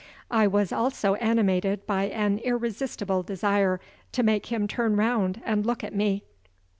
I was also animated by an irresistible desire to make him turn round and look at me.